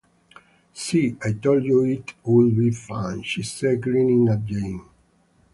"See, I told you it would be fun!" she said, grinning at Jane.